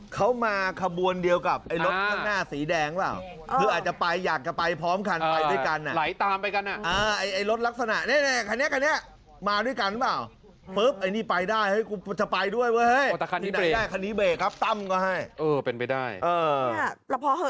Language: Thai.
เขามาขบวนเดียวกับรถข้างหน้าสีแดงว่า